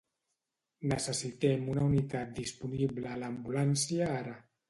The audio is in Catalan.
Necessitem una unitat disponible a l'ambulància ara.